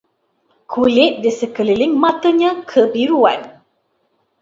Kulit di sekeliling matanya kebiruan